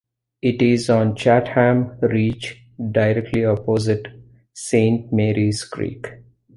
It is on Chatham Reach directly opposite Saint Mary's Creek.